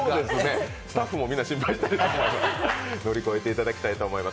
スタッフもみんな心配してますが乗り越えていただきたいと思います。